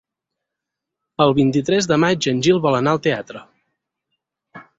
El vint-i-tres de maig en Gil vol anar al teatre.